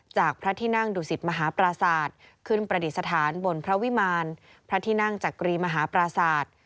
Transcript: พระที่นั่งดุสิตมหาปราศาสตร์ขึ้นประดิษฐานบนพระวิมารพระที่นั่งจักรีมหาปราศาสตร์